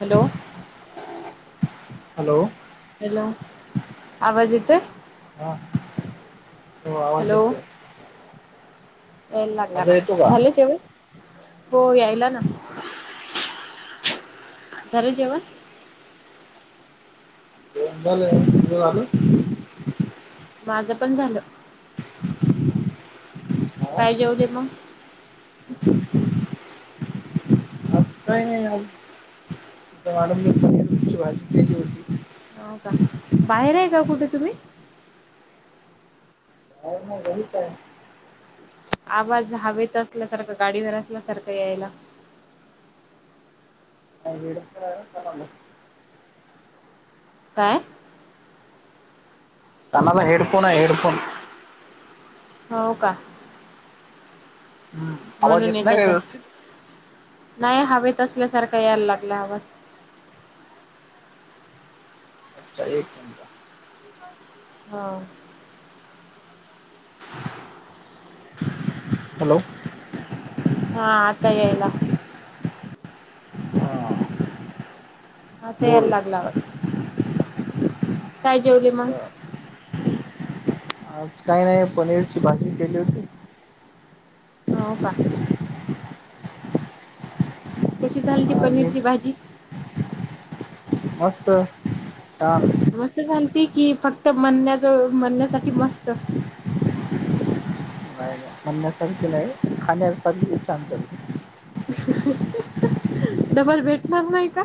Hello hello hello आवाज येतोय. हा हो आवाज हॅलो येतोय एल लागला माझा का येतो झाले जेवण. हो यायला ना झाले जेवण [unintelligible] माझं पण झालं हा काय जेवले मग काही नाही वा [unintelligible] भाजी केली होती हो का बाहेर आहे का कुठे तुम्ही. काय नाही घरीच हाय. आवाज हवेत असल्यासारखं गाडीवर असल्यासारखं यायला. [inaudible] काय? कानाला हेडफोन आहे हेडफोन. हो का. हम्म आवाज म्हणून येत नाही का असन, व्यवस्थित नाही हवेत असल्यासारखं यायला लागला आवाज. अच्छा एक मिनिट हा. हॅलो. हा आता यायला. हा. आता याय लागला आवाज, काय जेवली म? बरं आज काय नाही पनीरची भाजी केली होती. हो का. कशी झालती आणि पनीरची भाजी? मस्त, छान. मस्त झालती की फक्त म्हणण्याजो म्हणण्यासाठी मस्त. नाही म्हणण्यासारखी नाही खाण्यासारखी छान. [unintelligible] डबल भेटणार नाही का?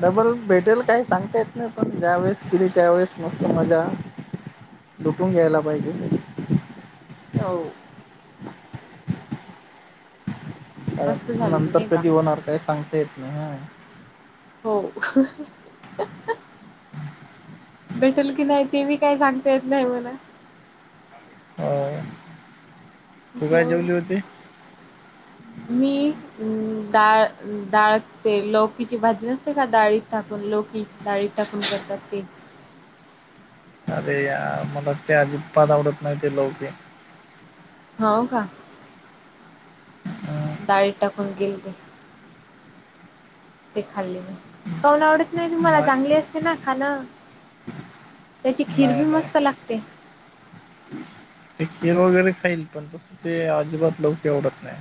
डबल भेटेल काय सांगता येत नाही पण ज्या वेळेस केली त्यावेेळेस मस्त मजा. लुटून घ्यायला पाहिजे. हो. मस्त कारण झालती नंतर नाही का? कधी होणार काय सांगता येत नाही हा. हो. भेटेल की नाही ते बी काही सांगता येत नाही म्हणा. हा. हो, मी. हम् डाळ डाळ ते लोककीची भाजी नसते काय डाळीत ठकून लोककी. डाळीत टाकून करतात ते. अरे यार मला ते अजिबात आवडत नाही ते लॉकी. हाव का. डाळीत टाकून केलती. ते खाल्ली मी, काऊन आवडत नाही तुम्हाला चांगली अस तेना खाण, त्याची खीर नाही बी नाही मस्त लागते. ते खीर वगैरे खाईल पण तसं ते आजिबात लॉकी आवडत नाही.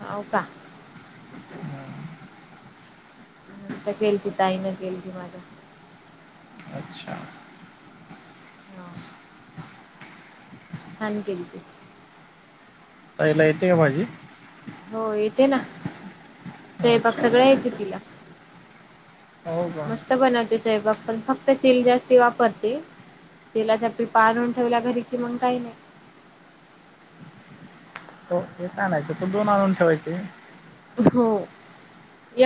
हाव का. मस्त केलती ताई न केलती माझ्या. अच्छा! [unintelligible] छान केलती. ताईला येते का भाजी? हो येते ना, स्वयपाक अच्छा सगळा येतो तिला. हो का मस्त बनवते स्वयंपाक. पण फक्त तेल जास्ती वापरते, तेलाच्या पीपा आणून ठेवल्या घरी की मग काही नाही. हो एक आणायचं त दोन आणून ठेवायचे. हो.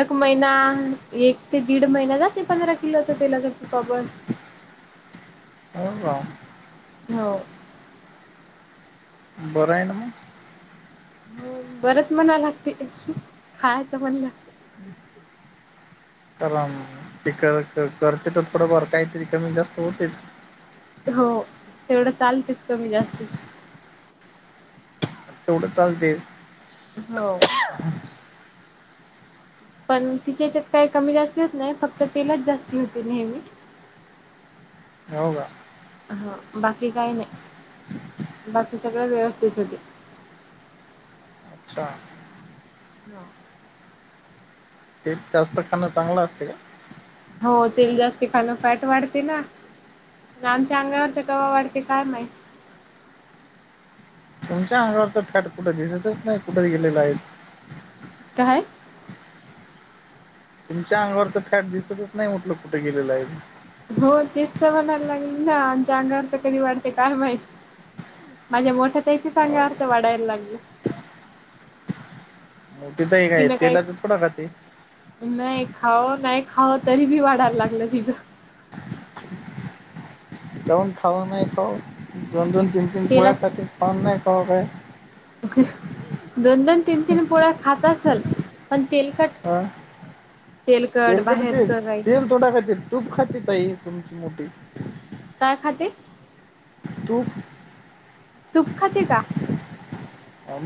एक महिना एक ते दीड महिना जाते पंधरा किलोचा तेलाचा पीपा बस. हो का. हो. बरं आहे ना म. हो बरच म्हणाय लागते, खायचं म्हणलं चला म, ती कर करते तर थोडंफार काहीतरी कमी जास्त होतेच. हो, तेवढं चालतेच कमी जास्ती. तेवढं चालतय. हो. पण तिच्याच्यात काय कमी जास्ती होत नाही फक्त तेलच जास्ती होते नेहमी. [inaudible] हो का? हा बाकी काही नाही बाकी सगळ व्यवस्थित होते. अच्छा. ह. ते जास्त खाणं चांगलं असते का? हो तेल जास्त खाणं फॅट वाढते ना. आमच्या अंगावरचा कवा्हा वाढते काय माहित. तुमच्या अंगावरच फॅट कुठं दिसतच नाही कुठे गेलेलं आहे‌. काय? तुमच्या अंगावर तर फॅट दिसतच नाही उटलं कुठे गेलेलं आहे. हो तेच तर म्हणायला लागली ना आमच्या अंगावर तर कधी वाढते काय माहिती, माझे मोठ्या त्याची हो सांगा का? अर्थ वाढायला लागली. मोठी तर काय तिनं काही तेलाच थोडाकात. नाही खावं नाही खावं तरी बी वाढायला लागलं तिचं. जण खवा नाही ख दो जून तीनटन पुे तेलाच खात खवा नाही खा का आहे. दोन दोन तीन तीन पोळ्या खात असल. पण तेलकट हा तेलकट बाहेरचं राई. तथोडा खर‌ तूप खात ताई तुमची मोठी. काय खाती? तूप. तुप खाती का?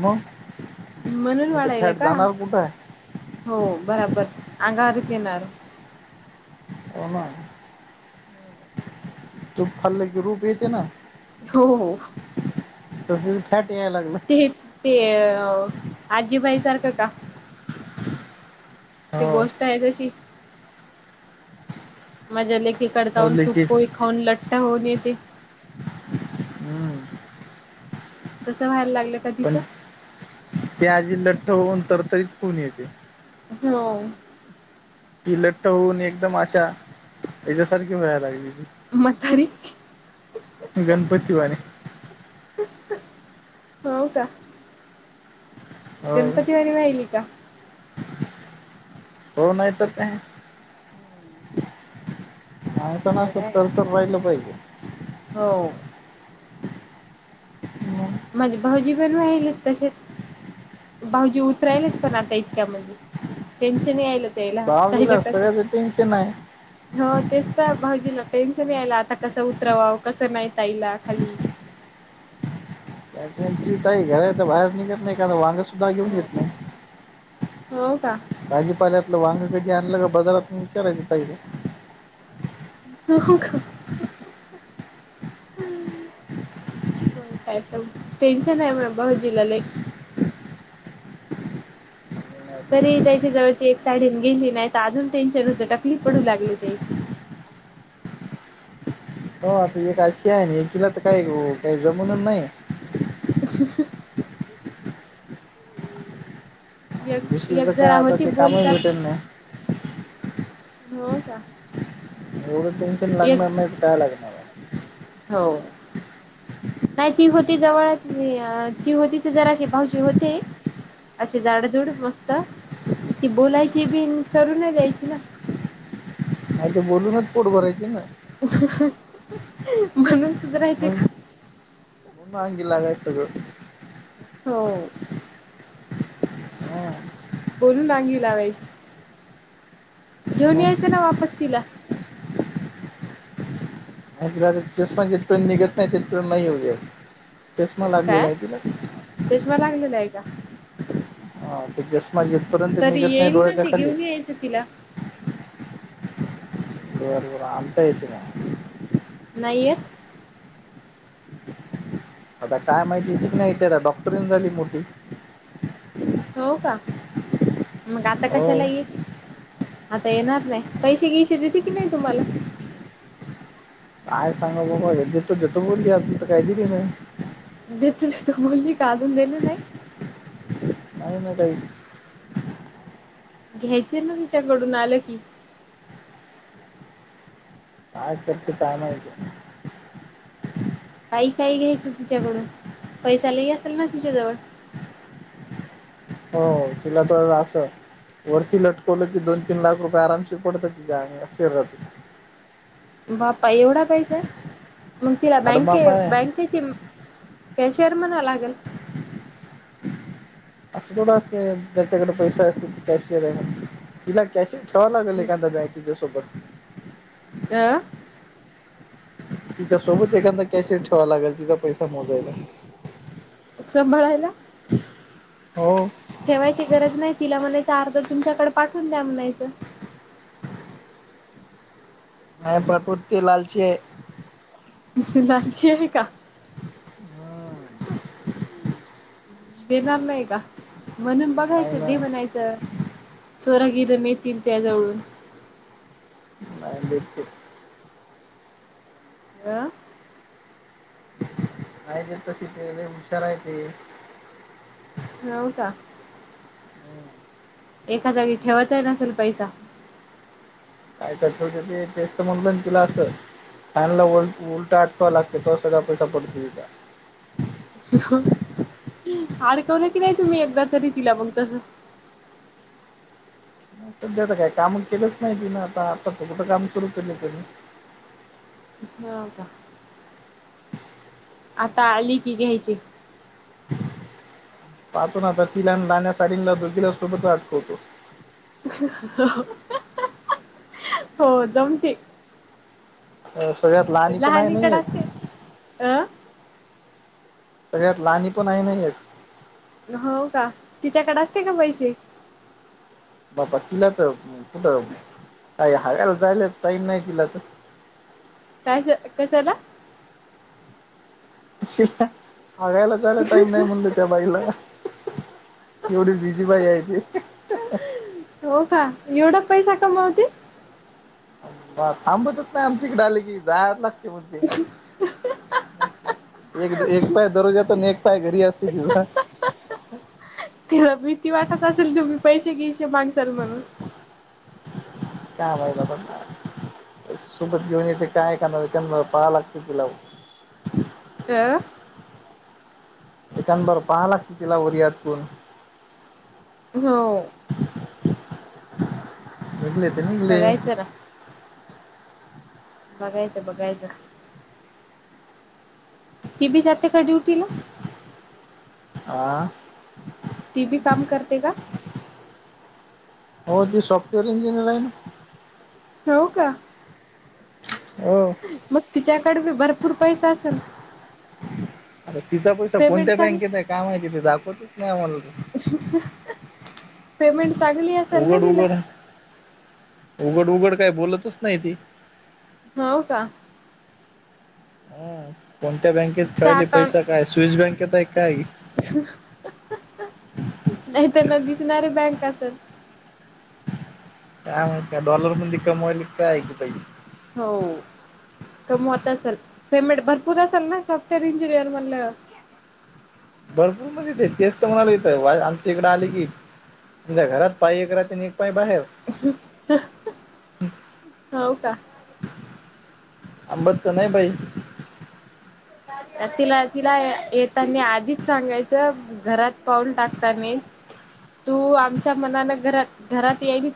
मग म्हणून मथ वाढायला फॅट का जाणार कुठं आहे. हो बराबर अघावरारीच येणार‌ हो ना‌ तूप खाल्ल कि रूप येत ना. हो हो [unintelligible] यात लागल. ते आजीबाई सारखं का? ती गोष्ट हो आहे तशी माझ्या लेखीकड जाऊन ओलीचीच तूपो खाऊन लट्टा होऊन येते. हम्म. तसं व्हायला लागल. पण ते आजी लठ्ठ होऊन तरतरीच खन येते. हो. हि लठ्ठ होऊन एकदम अशा हच्यासारखी व्हाला लागली‌. [unintelligible] गणपती वाणी. हो का? हो गणपती वनि वयल का? होरो नाही य तर अ आच न बर असत आहे तर तर राहिलं पाहिजे. हो. माझे भाऊजी पण राहिले तसेच. भाऊजी उतरायलाच पण आता इतक्यामध्येण टेन्शनही आयल‌ ला काहिलं भावजीला कसं. सगळ्याचं टेन्शन आहे हो तेच तर भाजीला टेन्शन आयला आता कसं उतरवावं कसं नाही तईला खाली‌ काय काय घराच्या बाहेर निघत नाही का मं वांग सुद्धा घेऊन हो येत नाही हो का भाजीपाल्यातलं वांग कधी आणलं का बाजारातून विचारायच ताई ला हो का बरं काय पण टेन्शन आहे मग भावोजीला लय नाही तर काय. तरी त्याची जवळची एक साईडून गेली नाय त अजून टेन्शन होत टकली पडू लागली त्यायची हो ती एक अशी एकीला तर काय काय जमूननं नाई. [unintelligible] एक एक दुसरिकडं काय जरा आता होती ते काम बोल का भेटनं ना हो का एवढं टेन्शन एक लागणार नाय त काय लागणार. आहे हो. नाय ती होती जेव्हा नय यार ती होती ते जराशे भाऊजी होते. असे जाडजूड मस्त ती बोलायची बीनं करून घ्यायची ना नाय त बोलूनच पोट भरायची ना म्हणून सुधरायची म्हण का? म्हणून अंगी लागायचं सगळं. हो. हा बोलून अंगी लावायच घेऊन यायचं मग ना वापस तिला आणि तिला आता चष्मा जिथपर्यंत निघत नाय तिथपर्यंत नाय येऊ दयायच चष्मा लागलेला काय हाय तिला चष्मा लागलेला हाय का? हा ते चष्मा जिथपर्यंत निघत नाय डोळ्याच्या खाली ते तिला बरं बरं आणता येईल तिला नाहीयत. आता काय माहिती येतच नाय ती डॉक्टर झाली मोठी हो का मंग आता हो कशाला येईल. आता येणार नाय पैसे गियसे देते की नाय तुम्हाला काय सांगा बुआ एकदा त देतो बोलली अजूनत काय दिले नाय देते देते म्हणली का अजून दिले नाही. नाय ना ताई घ्यायचे ना तिच्याकडून आलं की काय करते काय माहिती काही काही घ्यायचं तिच्याकडून पैसा लय असल ना तिच्याजवळ होय तिला तर असं वरती लटकवलं की दोन तीन लाख रुपये आरामशीर पडतात तिच्या अंगा शरीरातून बापा एवढा पैसा हाय मग तिला बँके हाडमाप आहे बँकेची केशिअर म्हणा लागल. असं थोडं असते ज्याच्याकडे पैसा असत ती कॅशिअर हाय. तिला कॅशिंअर ठेवा लागल एखादा बॅ तिच्यासोबत अ तिच्यासोबत एखांदा कॅशियर ठेवा लागल तिजा पैसा मोजायला. सांभाळायला. हो. ठेवायची गरज नाय तिला म्हणायच अर्धा तुमच्याकड पाठवून द्या म्हणायचं नाय पाठवत ती लालची ये. लालची आहे का? [unintelligible] देणार नाही का म्हणून नाही बघायचं ना दे म्हणायचं चोरा गिर नेतील त्याजवळून. नाही नेत ते. आं? नाही नेत तशी ते लई हुशाराय ते. हाऊ का? एका जागी ठेवतही नसेल पैसा. काय तर ठेवत असेल तेेच तर म्हणलं ना तुला असं. फॅन ला उ उलटा आटकव लागते तव्हा सगळा पैसा पडतो त्याचा. अडकवलं की नाही तुम्ही एकदा तरी तिला मग तस? नाही, सध्या तर काही काम केलंच नाही तिनं आता. आता त कुठं काम सुरू केलं तीनी. ह का? आता आली की घ्यायचे. पाहतो ना आता तिला न लाहण्या साडीं ला दोघींला सोबतचा अटकवतो. हो जामते. अ सगळ्यात लहणी पण आहे ना एक. अं? सगळ्यात लाहणी पण आहे ना एक. हो का? तिच्याकडे असते का पैसे? बाप्पा तिला त अं कुठं काय हगायला जायला टाईम नाही तिला त. काय ज कशाला? [unintelligible] जायला टाईम नाही म्हणल त्या बाईला. एवढी बिझी बाई आहे ती. हो का? एवढा पैसा कमवती? बा थांबतच नाही आमच्या इकडे आले की. जायच लागते म्हणते. एकद एक पाय दरुजात आन एक पाय घरी असते तिचा. तिला भीती वाटत असेल तुम्ही पैसे घिशे मांगसाल म्हणून. का माहित आता काय. सोबत घेऊन येते काय का नव त्यांना पळाव लागत तिला भो. अं? तिच्यान बर पहावं लागतं तिला वरी अटकुन. हो. निघले त निघले. बघायचं ना बघायचं बघायचं. ती बी जाते का ड्युटीला? आं? ती बी काम करते का? हो ती सॉफ्टवेअर इंजिनियर आहे ना. हो का? हो. मग तिच्याकड बी भरपूर पैसा असल. आता तिचा पैसा पेमेंट कोणत्या चांग बँकेत आहे काय माहिती? ती दाखवतच नाही आम्हाला तसं. [unintelligible] पेमेंट चांगल् उघड उघड, उघड उघड काय बोलतच नाही ती. हो का? हं. कोणत्या बँकेत तिचा ठेवायली अकाउंट पैसा? काय स्विस बँकेत आहे की काय? नाही तर न दिसणारी बँक असल. काय माहित काय? डॉलर मधी कमवायली की काय हेकी बाई. हो कमवत असल. पेमेंट भरपूर असेल ना? सॉफ्टवेअर इंजिनियर म्हणाल्यावर. भरपूर म्हणते ते तेच तर म्हणालोय इथं. वा आमच्या इकडं आल की आमच्या घरात पाय एक राहते न एक पाय बाहेर. हो का थांबत तर नाही बाई. तिला तिला येतानी आधीच सांगायचं घरात पाून टाकता तू आमच्या मनान घ घरात येल.